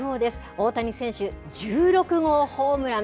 大谷選手、１６号ホームラン。